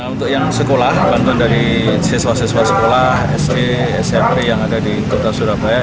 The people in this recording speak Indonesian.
untuk yang sekolah bantuan dari siswa siswa sekolah sd smp yang ada di kota surabaya